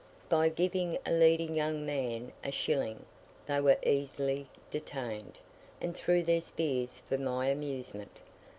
By giving a leading young man a shilling, they were easily detained, and threw their spears for my amusement.